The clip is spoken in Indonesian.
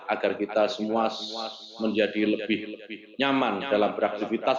agar kita semua menjadi lebih nyaman dalam beraktivitas